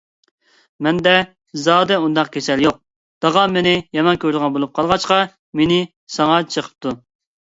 مەندە زادى ئۇنداق كېسەل يوق؛ تاغام مېنى يامان كۆرىدىغان بولۇپ قالغاچقا، مېنى ساڭا چېقىپتۇ.